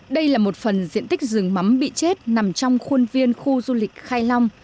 đây là một phần diện tích rừng mắm bị chết nằm trong khuôn viên khu du lịch khai long